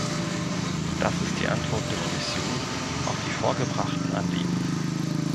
Das ist die Antwort der Kommission auf die vorgebrachten Anliegen.